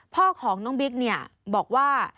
พ่อของน้องบิ๊กเนี่ยบอกว่า